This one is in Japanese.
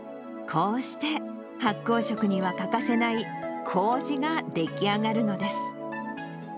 こうして発酵食には欠かせないこうじが出来上がるのです。